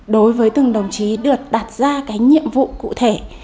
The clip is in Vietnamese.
đối với từng đồng chí được đặt ra cái nhiệm vụ cụ thể